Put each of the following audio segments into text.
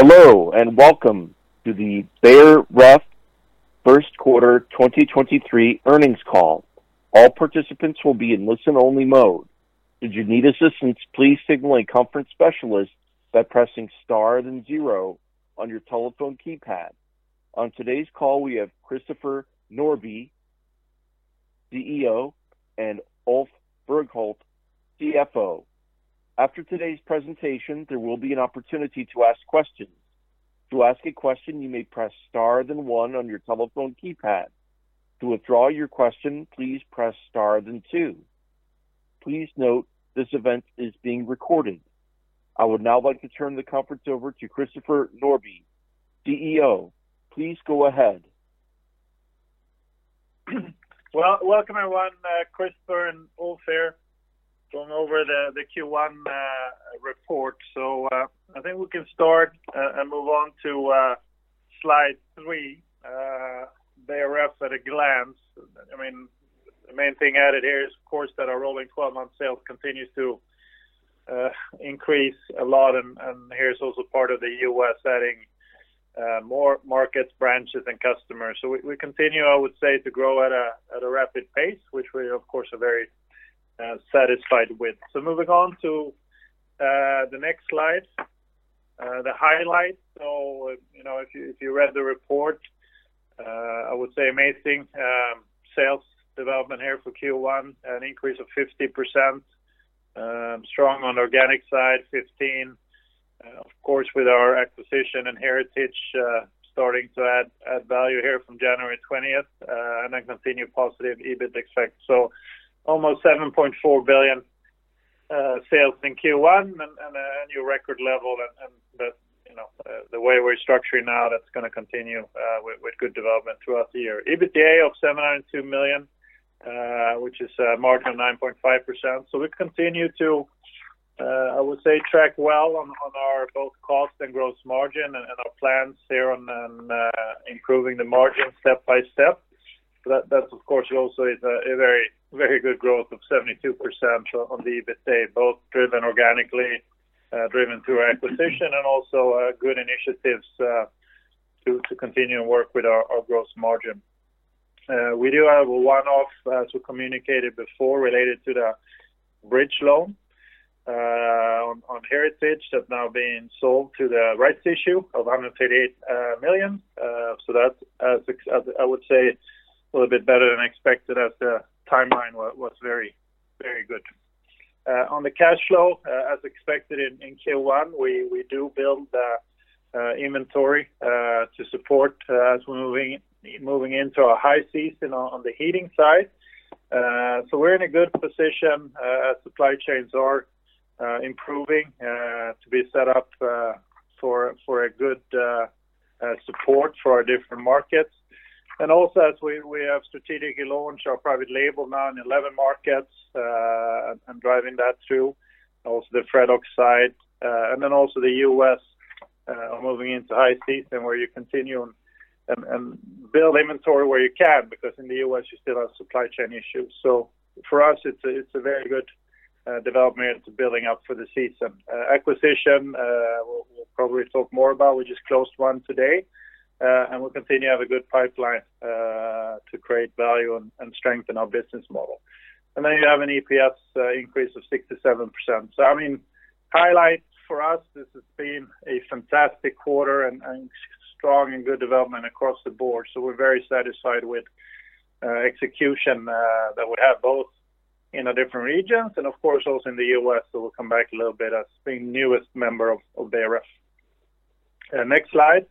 Hello, welcome to the Beijer Ref first quarter 2023 earnings call. All participants will be in listen-only mode. If you need assistance, please signal a conference specialist by pressing star then zero on your telephone keypad. On today's call, we have Christopher Norbye, CEO, and Ulf Berghult, CFO. After today's presentation, there will be an opportunity to ask questions. To ask a question, you may press star then one on your telephone keypad. To withdraw your question, please press star then two. Please note this event is being recorded. I would now like to turn the conference over to Christopher Norbye, CEO. Please go ahead. Well, welcome, everyone. Christopher and Ulf here, going over the Q1 report. I think we can start and move on to slide three. Beijer Ref at a glance. I mean, the main thing added here is, of course, that our rolling 12-month sales continues to increase a lot. Here is also part of the U.S. adding more markets, branches, and customers. We continue, I would say, to grow at a rapid pace, which we of course are very satisfied with. Moving on to the next slide, the highlights. You know, if you read the report, I would say amazing sales development here for Q1, an increase of 50%, strong on organic side, 15%. Of course, with our acquisition and Heritage, starting to add value here from January 20th, and a continued positive EBIT effect. Almost 7.4 billion sales in Q1 and a annual record level. That, you know, the way we're structuring now, that's gonna continue with good development throughout the year. EBITDA of 702 million, which is a margin of 9.5%. We continue to, I would say, track well on our both cost and gross margin and our plans here on improving the margin step by step. That's of course also is a very, very good growth of 72% on the EBITDA, both driven organically, driven through acquisition and also good initiatives to continue to work with our gross margin. We do have a one-off to communicate it before related to the bridge loan on Heritage that now being sold to the rights issue of 138 million. So that's I would say it's a little bit better than expected as the timeline was very, very good. On the cash flow, as expected in Q1, we do build inventory to support as we're moving into a high season on the heating side. We're in a good position as supply chains are improving to be set up for a good support for our different markets. Also as we have strategically launched our private label now in 11 markets and driving that through also the Freddox side. Also the U.S. are moving into high season where you continue and build inventory where you can, because in the U.S., you still have supply chain issues. For us, it's a very good development to building up for the season. Acquisition, we'll probably talk more about, we just closed one today. We'll continue to have a good pipeline to create value and strengthen our business model. Then you have an EPS increase of 67%. I mean, highlights for us, this has been a fantastic quarter and strong and good development across the board. We're very satisfied with execution that would have both in the different regions and of course also in the U.S. We'll come back a little bit as the newest member of Beijer Ref. Next slide.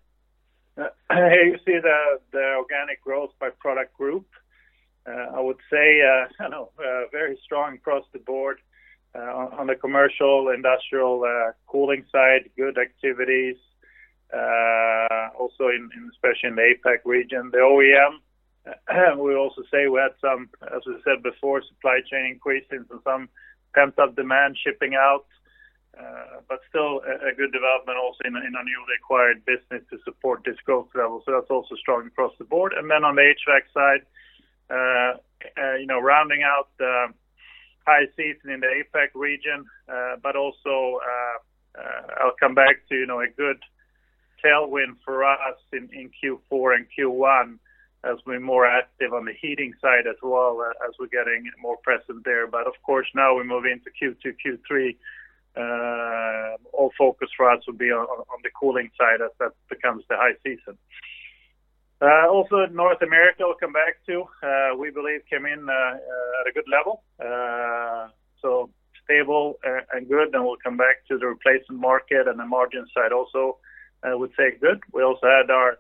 You see the organic growth by product group. I would say, you know, very strong across the board on the commercial industrial cooling side, good activities also especially in the APAC region. The OEM, we also say we had some, as we said before, supply chain increases and some pent-up demand shipping out, but still a good development also in a newly acquired business to support this growth level. That's also strong across the board. On the HVAC side, you know, rounding out the high season in the APAC region, I'll come back to, you know, a good tailwind for us in Q4 and Q1, as we're more active on the heating side as well as we're getting more present there. Now we move into Q2, Q3, all focus for us will be on the cooling side as that becomes the high season. North America we'll come back to, we believe came in at a good level, so stable and good. We'll come back to the replacement market and the margin side also, I would say is good. We also had our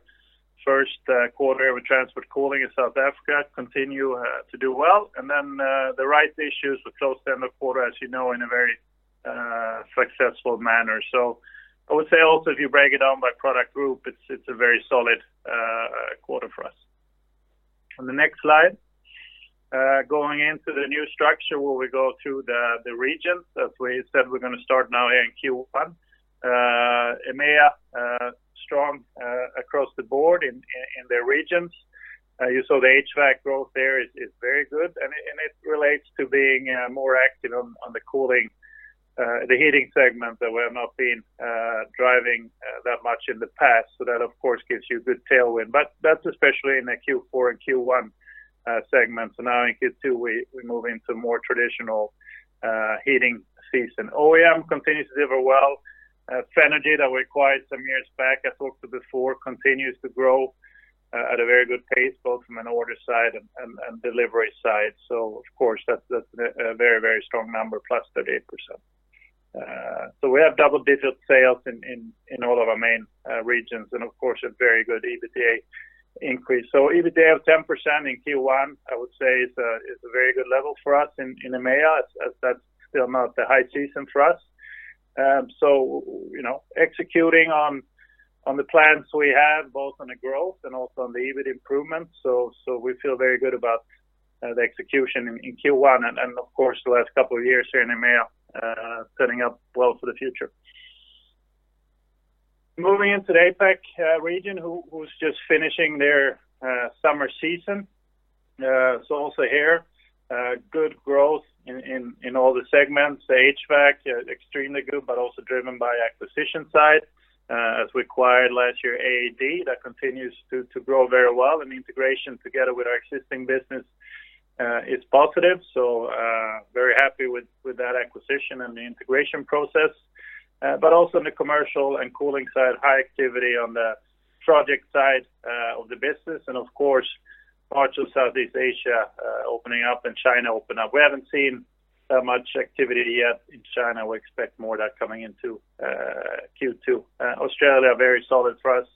first quarter with transcritical cooling in South Africa continue to do well. The rights issues were closed end of quarter, as you know, in a very successful manner. I would say also, if you break it down by product group, it's a very solid quarter for us. On the next slide, going into the new structure, where we go through the regions, as we said, we're going to start now in Q1. EMEA strong across the board in the regions. You saw the HVAC growth there is very good, and it relates to being more active on the cooling the heating segment that we have not been driving that much in the past. That, of course, gives you a good tailwind. That's especially in the Q4 and Q1 segments. Now in Q2, we move into more traditional heating season. OEM continues to deliver well. Fenagy that we acquired some years back, I talked to before, continues to grow at a very good pace, both from an order side and delivery side. Of course, that's a very, very strong number, +38%. We have double-digit sales in all of our main regions, and of course, a very good EBITDA increase. EBITDA of 10% in Q1, I would say is a very good level for us in EMEA as that's still not the high season for us. You know, executing on the plans we have, both on the growth and also on the EBIT improvements, so we feel very good about the execution in Q1, and of course, the last couple of years here in EMEA, setting up well for the future. Moving into the APAC region, who's just finishing their summer season. Also here, good growth in all the segments. The HVAC extremely good, also driven by acquisition side, as we acquired last year, AAD, that continues to grow very well. The integration together with our existing business is positive. Very happy with that acquisition and the integration process. Also in the commercial and cooling side, high activity on the project side of the business. Of course, parts of Southeast Asia opening up and China open up. We haven't seen that much activity yet in China. We expect more of that coming into Q2. Australia, very solid for us.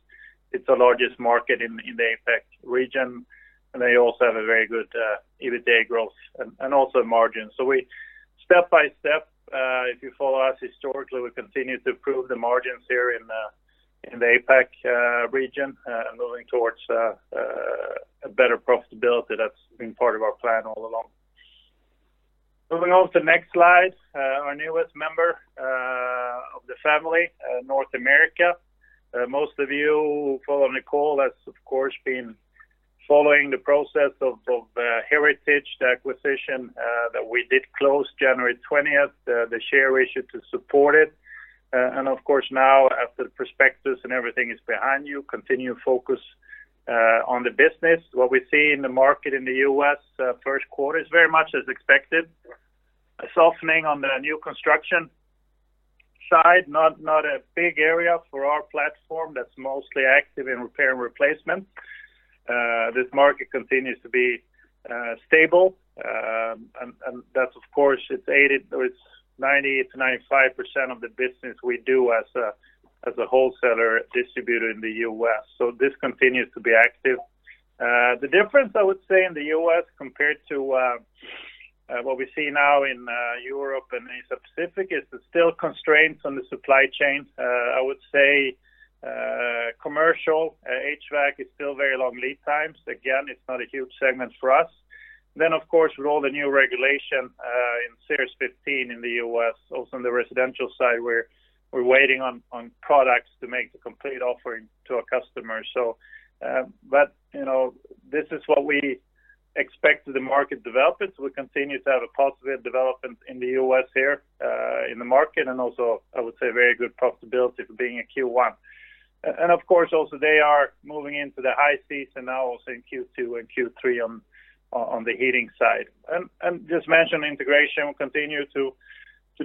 It's the largest market in the APAC region, and they also have a very good EBITDA growth and also margin. We step by step, if you follow us historically, we continue to improve the margins here in the APAC region, and moving towards a better profitability that's been part of our plan all along. Moving on to the next slide, our newest member of the family, North America. Most of you who follow on the call has, of course, been following the process of Heritage, the acquisition that we did close January 20th, the share issue to support it. Of course, now after the prospectus and everything is behind you, continue to focus on the business. What we see in the market in the U.S., 1st quarter is very much as expected. A softening on the new construction side, not a big area for our platform that's mostly active in repair and replacement. This market continues to be stable, and that's of course, 90%-95% of the business we do as a wholesaler distributor in the U.S. This continues to be active. The difference I would say in the U.S. compared to what we see now in Europe and Asia Pacific is there's still constraints on the supply chain. I would say commercial HVAC is still very long lead times. Again, it's not a huge segment for us. Of course, with all the new regulation, in ASHRAE 15 in the U.S., also on the residential side, we're waiting on products to make the complete offering to our customers. You know, this is what we expect the market development. We continue to have a positive development in the U.S. here, in the market and also, I would say very good profitability for being in Q1. Of course, also they are moving into the high season now also in Q2 and Q3 on the heating side. Just mention integration, we continue to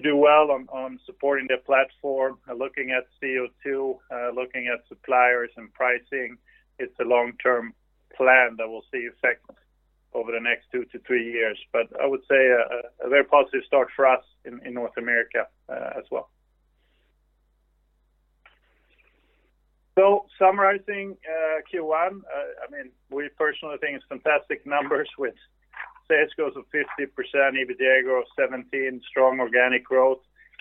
do well on supporting the platform, looking at CO₂, looking at suppliers and pricing. It's a long-term plan that will see effect over the next 2 years-3 years. I would say a very positive start for us in North America as well. Summarizing Q1, I mean, we personally think it's fantastic numbers with sales growth of 50%, EBITDA growth 17%, strong organic growth,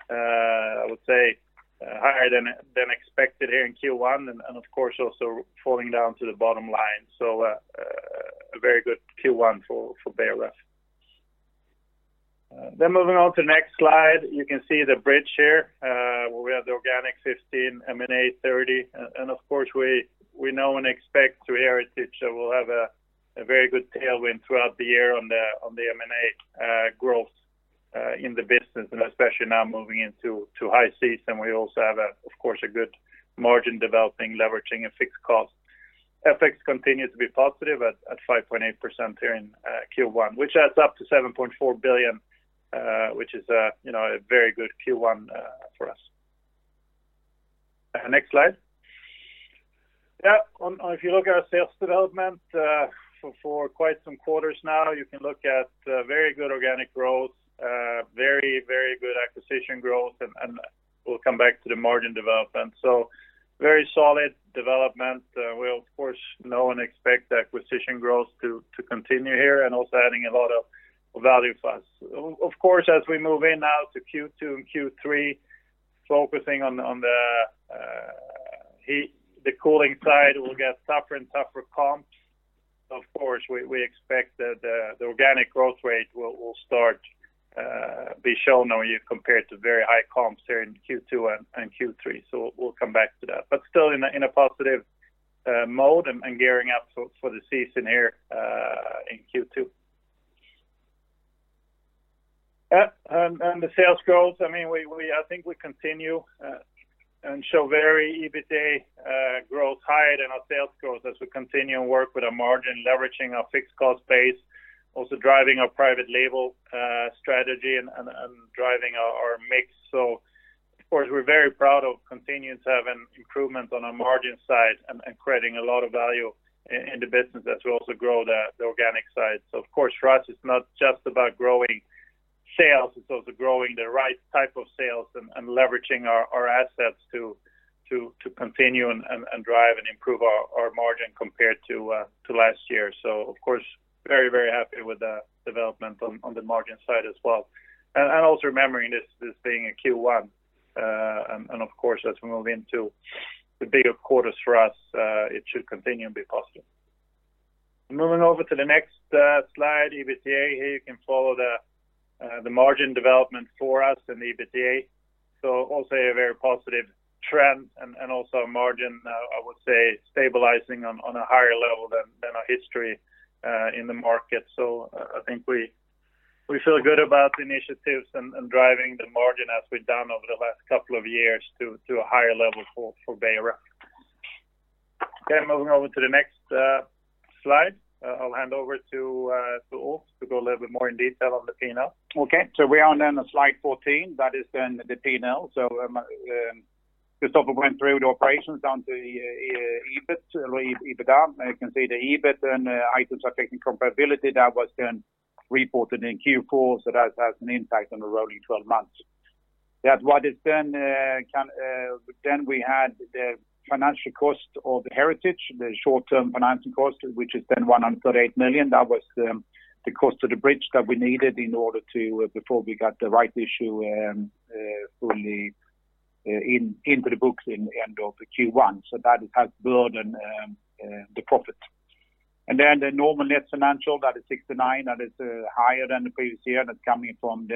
I would say, higher than expected here in Q1, and of course, also falling down to the bottom line. A very good Q1 for Beijer Ref. Moving on to next slide, you can see the bridge here. We have the organic 15%, M&A 30%. Of course, we know and expect through Heritage that we'll have a very good tailwind throughout the year on the M&A, growth, in the business, and especially now moving into, to high season. We also have a, of course, a good margin developing, leveraging a fixed cost. FX continues to be positive at 5.8% here in Q1, which adds up to 7.4 billion, which is a, you know, a very good Q1 for us. Next slide. If you look at our sales development, for quite some quarters now, you can look at very good organic growth, very good acquisition growth, and we'll come back to the margin development. Very solid development. We'll of course know and expect acquisition growth to continue here and also adding a lot of value for us. Of course, as we move in now to Q2 and Q3, focusing on the cooling side will get tougher and tougher comps. Of course, we expect that the organic growth rate will start. Be shown when you compare it to very high comps here in Q2 and Q3. We'll come back to that. Still in a positive mode and gearing up for the season here in Q2. Yeah. The sales goals, I mean, we I think we continue and show very EBITDA growth higher than our sales goals as we continue work with our margin, leveraging our fixed cost base, also driving our private label strategy and driving our mix. Of course, we're very proud of continuing to have an improvement on our margin side and creating a lot of value in the business as we also grow the organic side. Of course, for us, it's not just about growing sales, it's also growing the right type of sales and leveraging our assets to continue and drive and improve our margin compared to last year. Of course, very happy with the development on the margin side as well. Also remembering this being a Q1 and of course, as we move into the bigger quarters for us, it should continue and be positive. Moving over to the next slide, EBITDA. Here you can follow the margin development for us in the EBITDA. Also a very positive trend and also a margin, I would say stabilizing on a higher level than our history in the market. I think we feel good about the initiatives and driving the margin as we've done over the last couple of years to a higher level for Beijer Ref. Moving over to the next slide. I'll hand over to Ulf to go a little bit more in detail on the P&L. Okay. We are on slide 14, that is the P&L. Christopher went through the operations down to EBIT, or EBITDA. You can see the EBIT and items affecting comparability that was reported in Q4. That has an impact on the rolling 12 months. We had the financial cost of the Heritage, the short-term financing cost, which is 138 million. That was the cost of the bridge that we needed in order to before we got the right issue fully into the books in end of the Q1. That has burdened the profit. The normal net financial, that is 69 million, that is higher than the previous year. That's coming from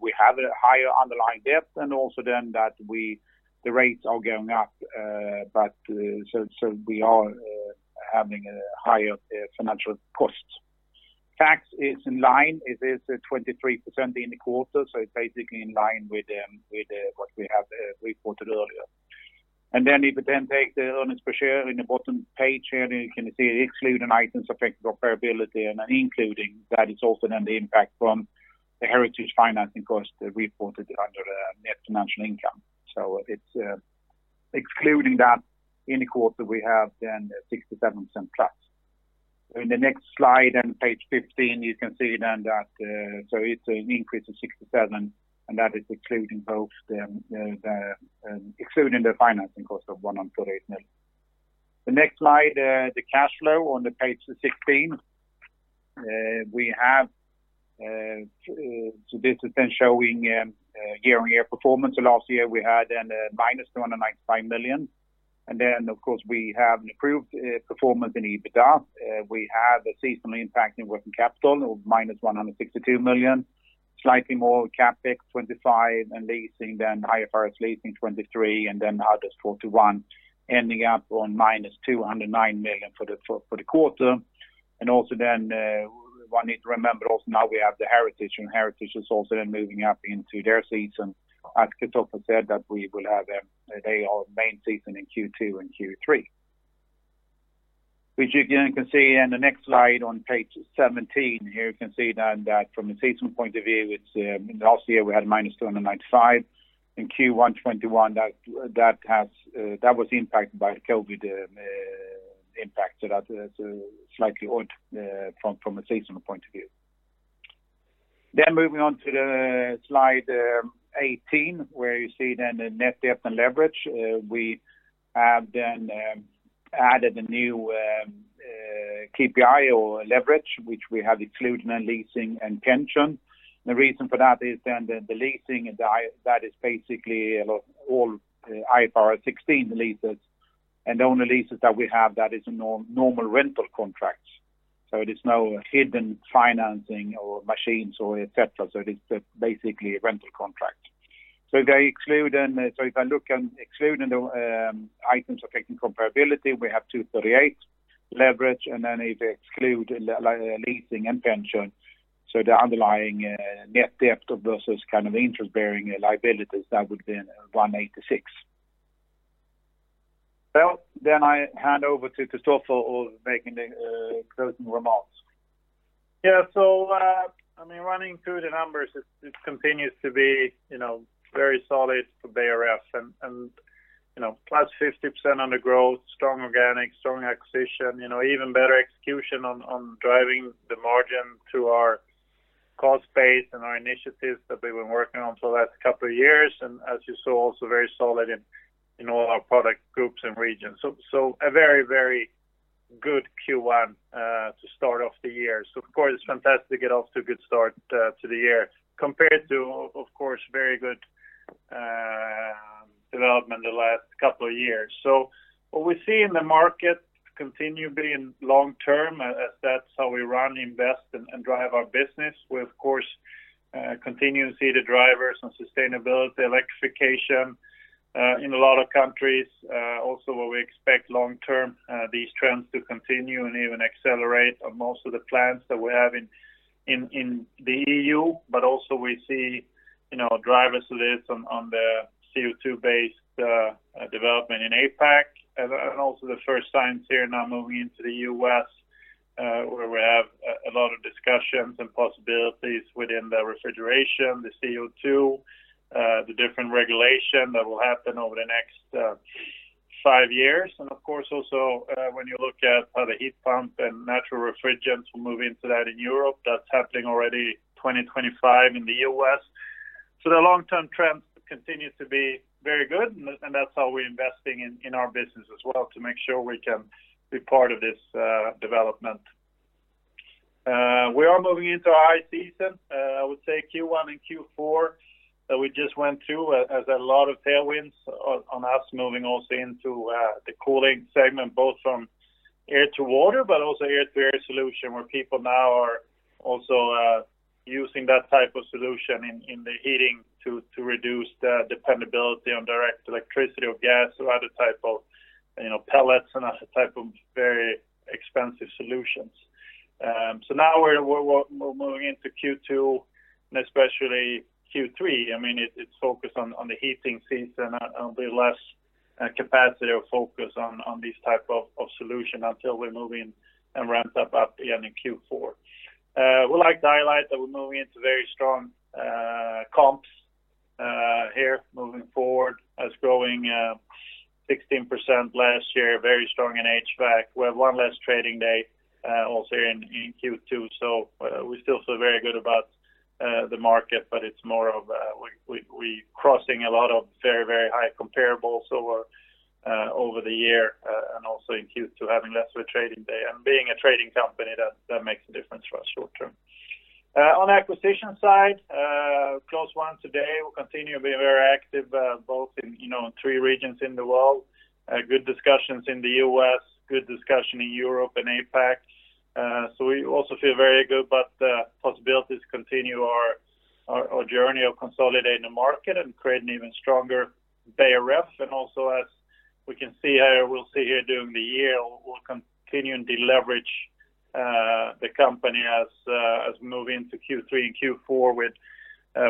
we have a higher underlying debt. Also then that we... The rates are going up, but so we are having a higher financial cost. Tax is in line. It is at 23% in the quarter, so it's basically in line with what we have reported earlier. Then if we then take the earnings per share in the bottom page here, you can see excluding items affecting comparability and including that is also then the impact from the Heritage financing cost reported under the net financial income. It's excluding that in the quarter we have then 0.67+. In the next slide, on page 15, you can see then that it's an increase of 0.67, and that is excluding both the excluding the financing cost of 138 million. The next slide, the cash flow on the page 16. We have, so this is then showing year-on-year performance. Last year we had then -295 million. Then of course we have an improved performance in EBITDA. We have a seasonal impact in working capital of -162 million. Slightly more CapEx, 25 million, and leasing than IFRS leasing, 23 million, and then others, 41 million, ending up on -209 million for the quarter. Also then, one need to remember also now we have the Heritage, and Heritage is also then moving up into their season. As Christopher said that we will have a main season in Q2 and Q3. Which again you can see in the next slide on page 17. Here you can see that from a seasonal point of view, it's last year we had -295 million. In Q1 2021, that has that was impacted by COVID impact. That's slightly odd from a seasonal point of view. Moving on to slide 18, where you see the net debt and leverage. We have added a new KPI or leverage, which we have excluded in leasing and pension. The reason for that is that is basically, you know, all IFRS 16 leases. The only leases that we have that is normal rental contracts. It is no hidden financing or machines or et cetera. It is basically a rental contract. If I look and excluding the items affecting comparability, we have 238 million leverage. If you exclude leasing and pension, so the underlying net debt versus kind of interest bearing liabilities, that would be then SEK 186 million. I hand over to Christopher for making the closing remarks. Yeah. I mean, running through the numbers, it continues to be, you know, very solid for Beijer Ref. You know, plus 50% on the growth, strong organic, strong acquisition, you know, even better execution on driving the margin through our cost base and our initiatives that we've been working on for the last couple of years. As you saw, also very solid in all our product groups and regions. A very, very good Q1 to start off the year. Of course it's fantastic to get off to a good start to the year compared to of course, very good development the last couple of years. What we see in the market continue being long-term, as that's how we run, invest, and drive our business. We, of course, continue to see the drivers on sustainability, electrification, in a lot of countries. Also where we expect long-term, these trends to continue and even accelerate on most of the plans that we have in the EU. Also we see, you know, drivers to this on the CO₂-based development in APAC, and also the first signs here now moving into the U.S., where we have a lot of discussions and possibilities within the refrigeration, the CO₂, the different regulation that will happen over the next five years. Of course, also, when you look at how the heat pump and natural refrigerants will move into that in Europe, that's happening already 2025 in the U.S. The long-term trends continue to be very good, and that's how we're investing in our business as well to make sure we can be part of this development. We are moving into our high season. I would say Q1 and Q4 that we just went through has a lot of tailwinds on us moving also into the cooling segment, both from air-to-water, but also air-to-air solution, where people now are also using that type of solution in the heating to reduce the dependability on direct electricity or gas or other type of, you know, pellets and other type of very expensive solutions. Now we're moving into Q2 and especially Q3. I mean, it's focused on the heating season and a bit less capacity or focus on these type of solution until we move in and ramp up again in Q4. We like to highlight that we're moving into very strong comps here moving forward as growing 16% last year, very strong in HVAC. We have one less trading day also in Q2. We still feel very good about the market, but it's more of, we crossing a lot of very, very high comparables over over the year, and also in Q2 having less of a trading day. Being a trading company, that makes a difference for us short term. On acquisition side, close one today. We'll continue being very active, both in, you know, three regions in the world. Good discussions in the U.S., good discussion in Europe and APAC. We also feel very good about the possibilities to continue our journey of consolidating the market and create an even stronger Beijer Ref. Also, as we can see here, we'll see here during the year, we'll continue and deleverage the company as we move into Q3 and Q4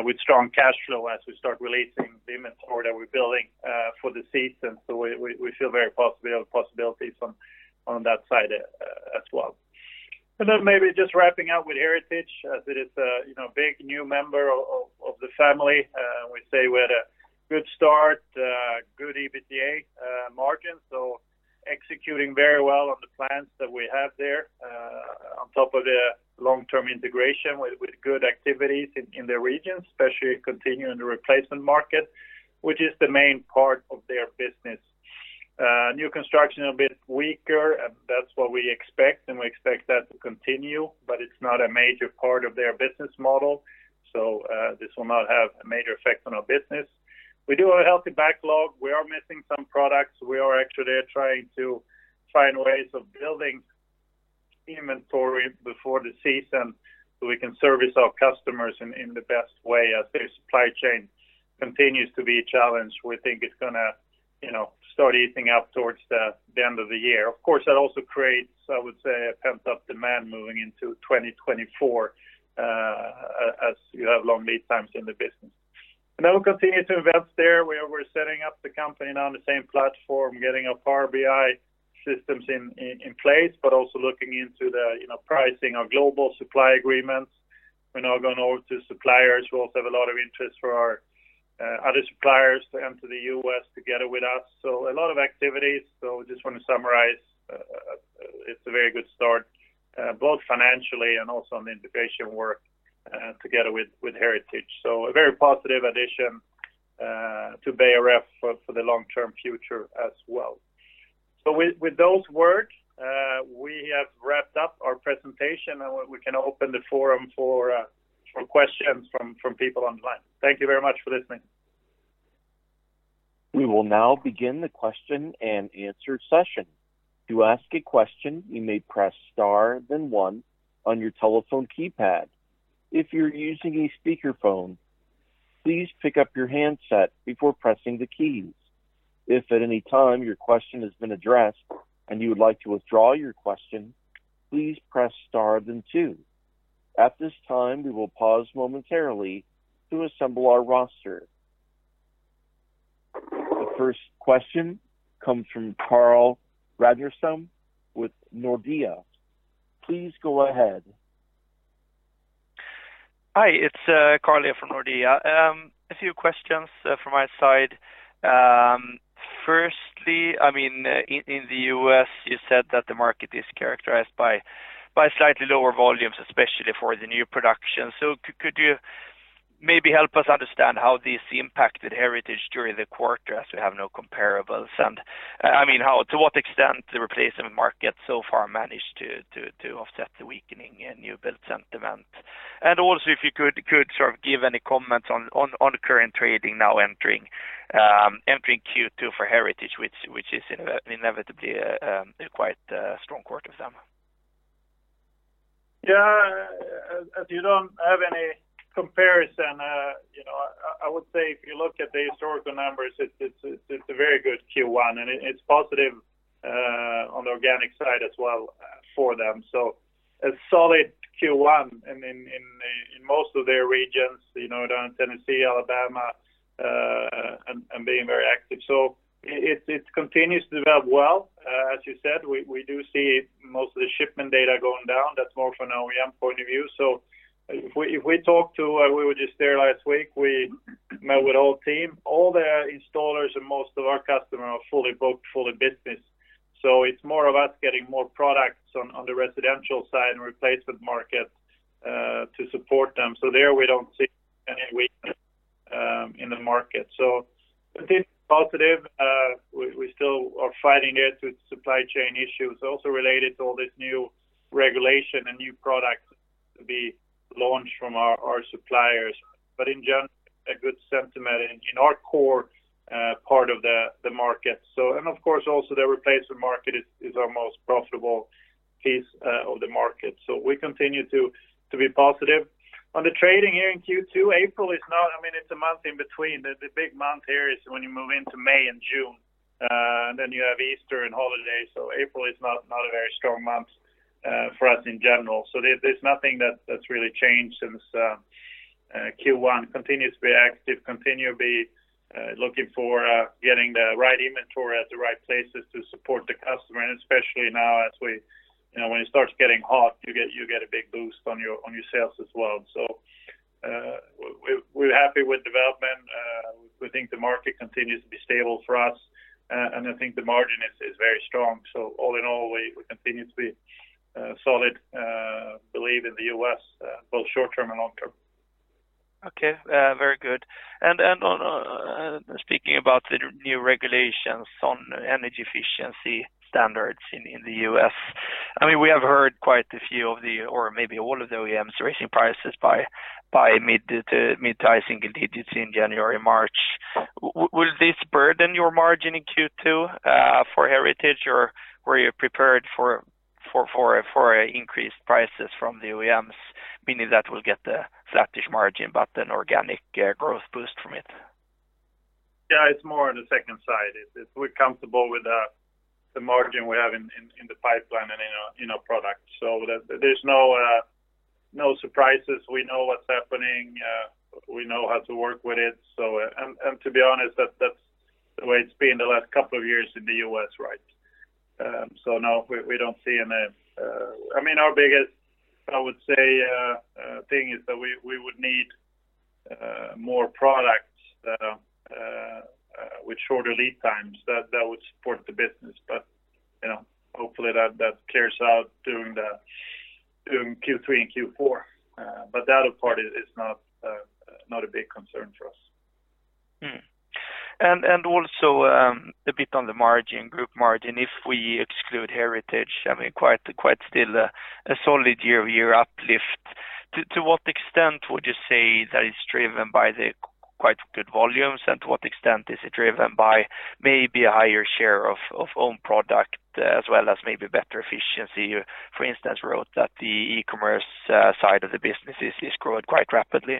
with strong cash flow as we start releasing the inventory that we're building for the season. We feel very possibilities on that side as well. Then maybe just wrapping up with Heritage as it is a, you know, big new member of the family. We say we had a good start, good EBITA margin. Executing very well on the plans that we have there, on top of the long-term integration with good activities in the region, especially continuing the replacement market, which is the main part of their business. New construction a bit weaker, and that's what we expect, and we expect that to continue, but it's not a major part of their business model. This will not have a major effect on our business. We do a healthy backlog. We are missing some products. We are actually trying to find ways of building inventory before the season so we can service our customers in the best way as their supply chain continues to be a challenge. We think it's gonna, you know, start easing up towards the end of the year. Of course, that also creates, I would say, a pent-up demand moving into 2024, as you have long lead times in the business. Then we'll continue to invest there where we're setting up the company now on the same platform, getting our Power BI systems in place, but also looking into the, you know, pricing our global supply agreements. We're now going over to suppliers who also have a lot of interest for our other suppliers to enter the U.S. together with us, a lot of activities. Just want to summarize, it's a very good start, both financially and also on the integration work together with Heritage. A very positive addition to Beijer Ref for the long-term future as well. With those words, we have wrapped up our presentation, and we can open the forum for questions from people online. Thank you very much for listening. We will now begin the question-and-answer session. To ask a question, you may press star then one on your telephone keypad. If you're using a speakerphone, please pick up your handset before pressing the keys. If at any time your question has been addressed and you would like to withdraw your question, please press star then two. At this time, we will pause momentarily to assemble our roster. The first question comes from Carl Ragnerstam with Nordea. Please go ahead. Hi, it's Carl here from Nordea. A few questions from my side. Firstly, I mean, in the U.S., you said that the market is characterized by slightly lower volumes, especially for the new production. Could you maybe help us understand how this impacted Heritage during the quarter as we have no comparables? I mean, to what extent the replacement market so far managed to offset the weakening in new build sentiment? If you could sort of give any comments on the current trading now entering Q2 for Heritage which is inevitably a quite strong quarter for them. Yeah. As you don't have any comparison, you know, I would say if you look at the historical numbers, it's a very good Q1 and it's positive on the organic side as well for them. A solid Q1 and in most of their regions, you know, down in Tennessee, Alabama, and being very active. It continues to develop well. As you said, we do see most of the shipment data going down that's more from an OEM point of view. We were just there last week, we met with all team, all their installers and most of our customers are fully booked, full of business. It's more of us getting more products on the residential side and replacement market to support them. There we don't see any weakness in the market. I think positive, we still are fighting it to supply chain issues also related to all this new regulation and new products to be launched from our suppliers. In general, a good sentiment in our core part of the market. And of course, also the replacement market is our most profitable piece of the market. We continue to be positive. On the trading here in Q2, April is not. I mean, it's a month in between. The big month here is when you move into May and June, and then you have Easter and holidays. April is not a very strong month for us in general. There's nothing that's really changed since Q1. Continues to be active, continue be looking for getting the right inventory at the right places to support the customer. Especially now as we, you know, when it starts getting hot, you get a big boost on your sales as well. We're happy with development. We think the market continues to be stable for us. I think the margin is very strong. All in all, we continue to be solid believe in the U.S. both short term and long term. Okay. Very good. On speaking about the new regulations on energy efficiency standards in the U.S. I mean, we have heard quite a few of the, or maybe all of the OEMs raising prices by mid to mid, I think it is in January, March. Will this burden your margin in Q2 for Heritage? Or were you prepared for increased prices from the OEMs, meaning that will get the flattish margin but an organic growth boost from it? Yeah, it's more on the second side. It's we're comfortable with the margin we have in the pipeline and in our products. There's no surprises. We know what's happening. We know how to work with it. And to be honest, that's the way it's been the last couple of years in the U.S., right? No, we don't see any. I mean, our biggest, I would say, thing is that we would need more products that with shorter lead times that would support the business. But, you know, hopefully that clears out during the during Q3 and Q4. But that part is not a big concern for us. Also, a bit on the margin, group margin. If we exclude Heritage, I mean, quite still a solid year-over-year uplift. To what extent would you say that it's driven by the quite good volumes, and to what extent is it driven by maybe a higher share of own product as well as maybe better efficiency? You, for instance, wrote that the e-commerce side of the business is growing quite rapidly.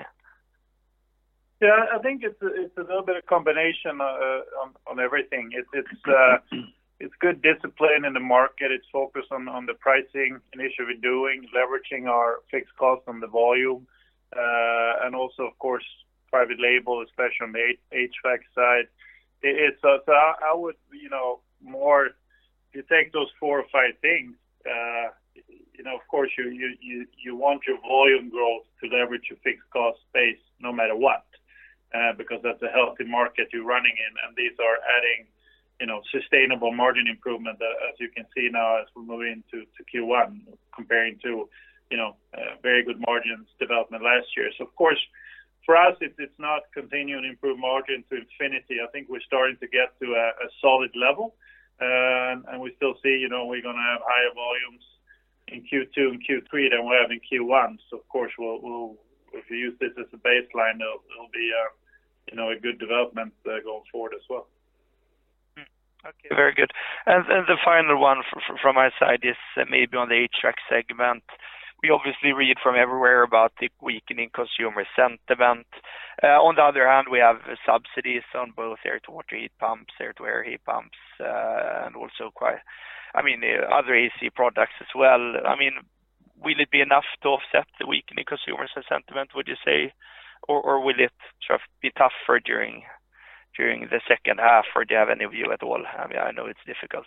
Yeah, I think it's a little bit of combination on everything. It's good discipline in the market. It's focused on the pricing initiative we're doing, leveraging our fixed cost on the volume. Also of course private label, especially on the HVAC side. It's. I would, you know, more you take those four or five things, you know, of course you want your volume growth to leverage your fixed cost base no matter what, because that's a healthy market you're running in. These are adding, you know, sustainable margin improvement as you can see now as we move into Q1 comparing to, you know, very good margins development last year. Of course for us it's not continuing to improve margin to infinity. I think we're starting to get to a solid level. We still see, you know, we're going to have higher volumes in Q2 and Q3 than we have in Q1. Of course, we'll, if you use this as a baseline, it'll be a, you know, a good development, going forward as well. Okay. Very good. The final one from my side is maybe on the HVAC segment. We obviously read from everywhere about the weakening consumer sentiment. On the other hand, we have subsidies on both air-to-water heat pumps, air-to-air heat pumps, and also quite, I mean other AC products as well. I mean, will it be enough to offset the weakening consumer sentiment, would you say? Will it sort of be tougher during the second half? Do you have any view at all? I mean, I know it's difficult.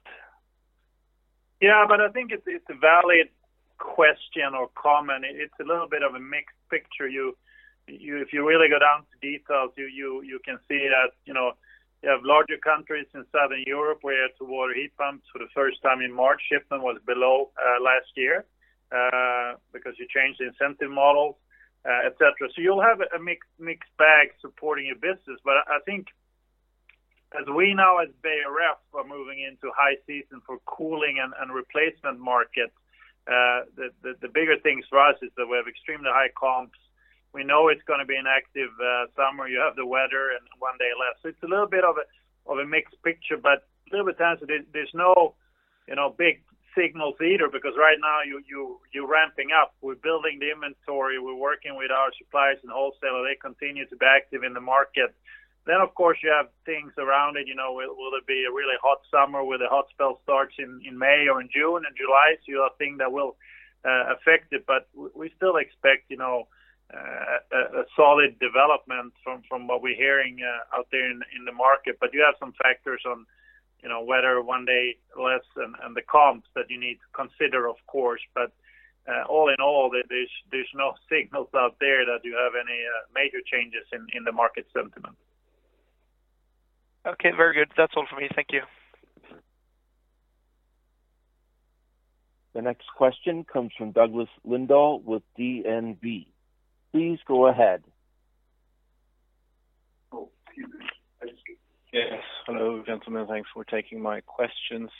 I think it's a valid question or comment. It's a little bit of a mixed picture. If you really go down to details, you can see that, you know, you have larger countries in Southern Europe where the water heat pumps for the first time in March, shipment was below last year because you changed the incentive models, et cetera. You'll have a mixed bag supporting your business. As we now at Beijer Ref are moving into high season for cooling and replacement market, the bigger thing for us is that we have extremely high comps. We know it's gonna be an active summer. You have the weather and one day less. It's a little bit of a mixed picture, but a little bit tense. There's no, you know, big signals either because right now you're ramping up. We're building the inventory. We're working with our suppliers and wholesalers. They continue to be active in the market. Of course, you have things around it, you know. Will it be a really hot summer where the hot spell starts in May or in June and July? You have things that will affect it. We still expect, you know, a solid development from what we're hearing out there in the market. You have some factors on, you know, weather, one day less, and the comps that you need to consider, of course. All in all, there's no signals out there that you have any major changes in the market sentiment. Okay, very good. That's all for me. Thank you. The next question comes from Douglas Lindahl with DNB. Please go ahead. Oh, excuse me. I just... Hello, gentlemen. Thanks for taking my questions.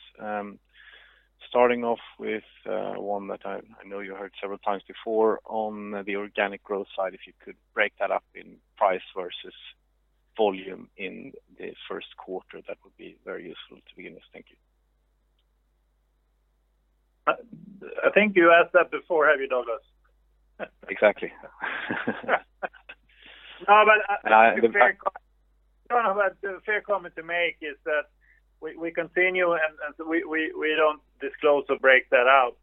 Starting off with one that I know you heard several times before. On the organic growth side, if you could break that up in price versus volume in the first quarter, that would be very useful to begin with. Thank you. I think you asked that before, have you, Douglas? Exactly. The fair comment to make is that we continue and we don't disclose or break that out.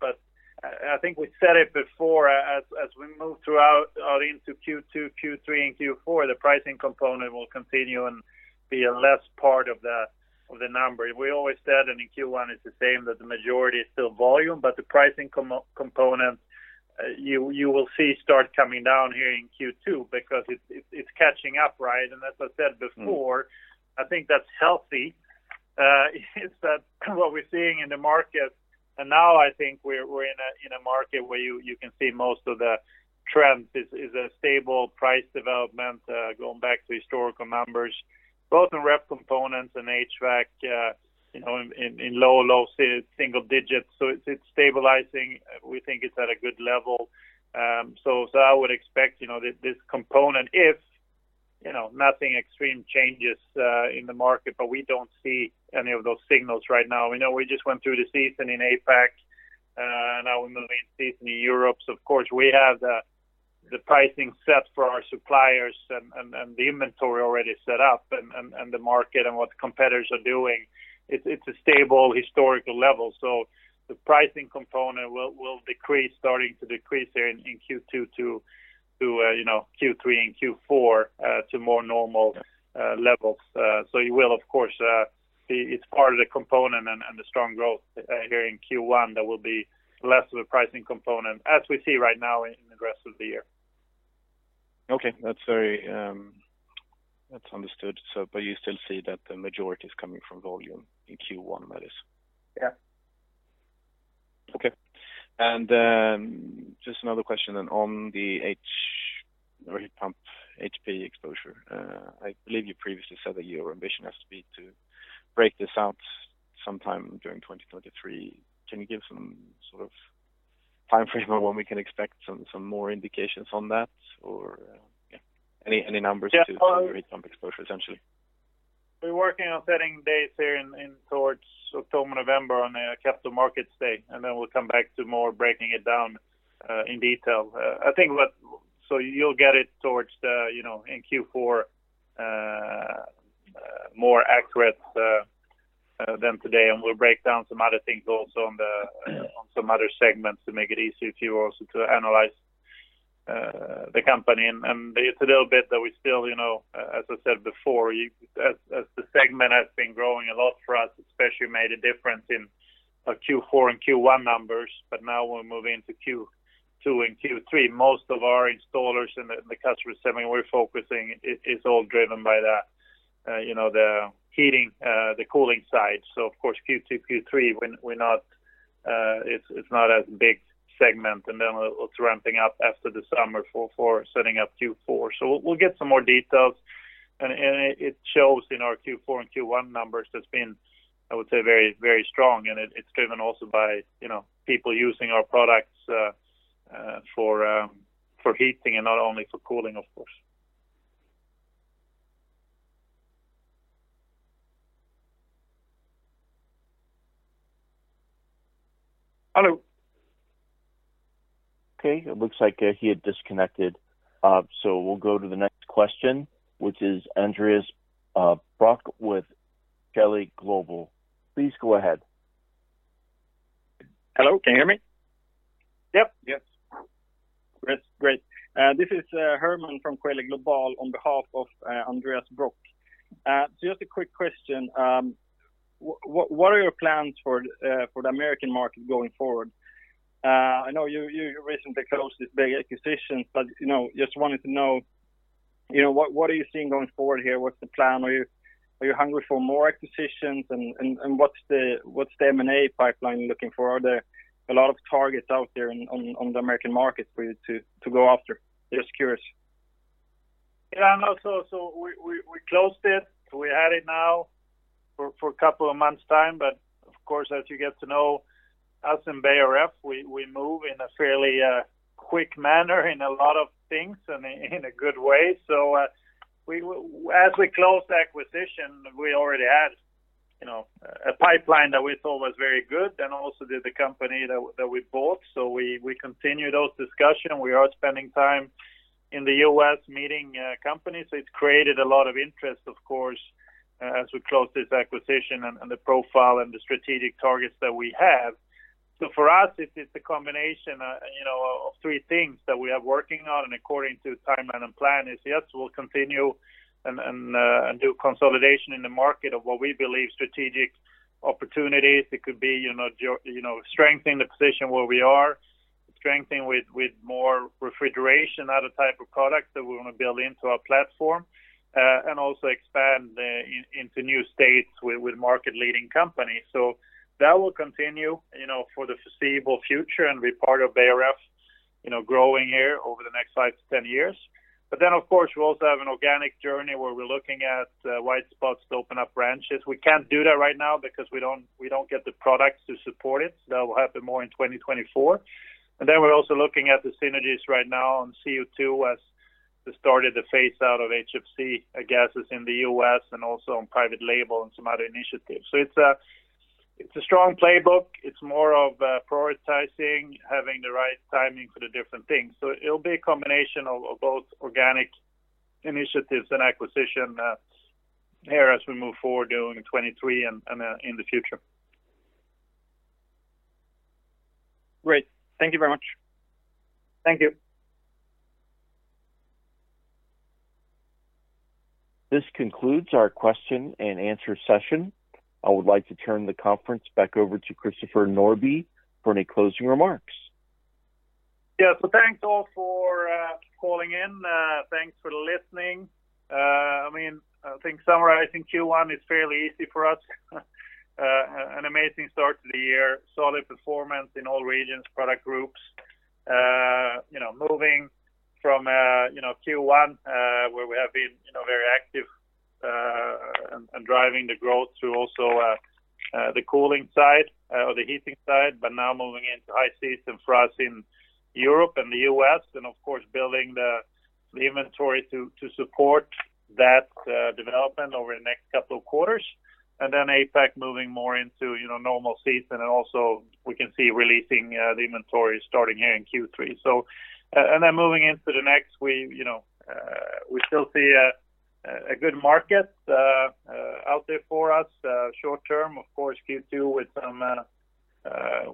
I think we said it before, as we move throughout or into Q2, Q3, and Q4, the pricing component will continue and be a less part of the number. We always said, and in Q1 it's the same, that the majority is still volume, but the pricing component you will see start coming down here in Q2 because it's catching up, right? As I said before. Mm-hmm... I think that's healthy, is that what we're seeing in the market. Now I think we're in a, in a market where you can see most of the trends is a stable price development, going back to historical numbers, both in ref components and HVAC, you know, in, in low single digits. It's, it's stabilizing. We think it's at a good level. I would expect, you know, this component if, you know, nothing extreme changes, in the market, but we don't see any of those signals right now. We know we just went through the season in APAC, now we're moving season to Europe. Of course, we have the pricing set for our suppliers and the inventory already set up and the market and what the competitors are doing. It's a stable historical level. The pricing component will decrease, starting to decrease there in Q2 to, you know, Q3 and Q4, to more normal levels. You will of course see it's part of the component and the strong growth here in Q1 that will be less of a pricing component as we see right now in the rest of the year. Okay. That's very. That's understood. You still see that the majority is coming from volume in Q1, that is? Yeah. Okay. Just another question then on the heat pump HP exposure. I believe you previously said that your ambition has to be to break this out sometime during 2023. Can you give some sort of timeframe on when we can expect some more indications on that? Yeah, any numbers? Yeah.... your heat pump exposure essentially? We're working on setting dates here in towards October, November on a Capital Markets Day, then we'll come back to more breaking it down in detail. You'll get it towards the, you know, in Q4, more accurate than today. We'll break down some other things also on the. Yeah On some other segments to make it easier for you also to analyze the company. It's a little bit that we still, you know, as I said before, as the segment has been growing a lot for us, especially made a difference in Q4 and Q1 numbers. Now we're moving to Q2 and Q3. Most of our installers and the customers segment we're focusing is all driven by the, you know, the heating, the cooling side. Of course, Q2, Q3, we're not, it's not as big segment. Then it's ramping up after the summer for setting up Q4. We'll get some more details. It shows in our Q4 and Q1 numbers that's been, I would say, very strong. It's driven also by, you know, people using our products for heating and not only for cooling, of course. Hello? Okay. It looks like he had disconnected. We'll go to the next question, which is Andreas Brock with. Please go ahead. Hello, can you hear me? Yep. Yes. Great. Great. This is Herman from on behalf of Andreas Brock. Just a quick question. What are your plans for the American market going forward? I know you recently closed this big acquisition, you know, just wanted to know, you know, what are you seeing going forward here? What's the plan? Are you hungry for more acquisitions? What's the M&A pipeline looking for? Are there a lot of targets out there on the American market for you to go after? Just curious. We closed it. We had it now for a couple of months' time, of course, as you get to know us in Beijer Ref, we move in a fairly quick manner in a lot of things and in a good way. As we close the acquisition, we already had, you know, a pipeline that we thought was very good, and also did the company that we bought. We continue those discussion. We are spending time in the U.S. meeting companies. It's created a lot of interest, of course, as we close this acquisition and the profile and the strategic targets that we have. For us, it is the combination, you know, of three things that we are working on and according to timeline and plan is, yes, we'll continue and do consolidation in the market of what we believe strategic opportunities. It could be, you know, strengthening the position where we are, strengthening with more refrigeration, other type of products that we wanna build into our platform, and also expand into new states with market leading companies. That will continue, you know, for the foreseeable future and be part of Beijer Ref, you know, growing here over the next 5 years-10 years. Of course, we also have an organic journey where we're looking at white spots to open up branches. We can't do that right now because we don't get the products to support it. That will happen more in 2024. We're also looking at the synergies right now on CO₂ as we started the phase out of HFC gases in the U.S. and also on private label and some other initiatives. It's a strong playbook. It's more of prioritizing, having the right timing for the different things. It'll be a combination of both organic initiatives and acquisition here as we move forward during 2023 and in the future. Great. Thank you very much. Thank you. This concludes our question and answer session. I would like to turn the conference back over to Christopher Norbye for any closing remarks. Thanks all for calling in. Thanks for listening. I mean, I think summarizing Q1 is fairly easy for us. An amazing start to the year. Solid performance in all regions, product groups. You know, moving from, you know, Q1, where we have been, you know, very active, and driving the growth through also, the cooling side, or the heating side, now moving into high season for us in Europe and the U.S., and of course, building the inventory to support that development over the next couple of quarters. APAC moving more into, you know, normal season. Also, we can see releasing the inventory starting here in Q3. Moving into the next wave, you know, we still see a good market out there for us. Short term, of course, Q2 with some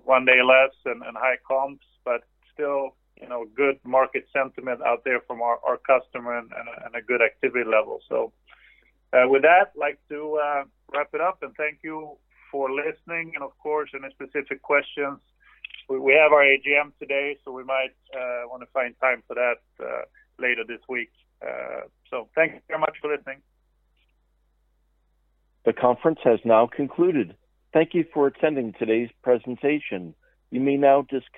one day less and high comps, but still, you know, good market sentiment out there from our customer and a good activity level. With that, I'd like to wrap it up and thank you for listening. Of course, any specific questions, we have our AGM today, so we might wanna find time for that later this week. Thank you very much for listening. The conference has now concluded. Thank you for attending today's presentation. You may now disconnect.